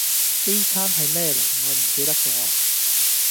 A 餐係咩嚟我唔記得咗